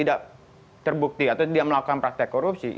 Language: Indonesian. tidak terbukti atau tidak melakukan praktek korupsi